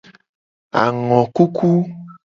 Angokuku.